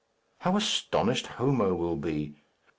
How astonished Homo will be!